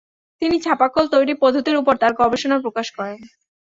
তিনি ছাপাকল তৈরি পদ্ধতির উপর তার গবেষণা প্রকাশ করেন।